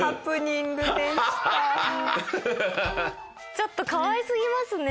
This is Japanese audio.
ちょっとかわいすぎますね。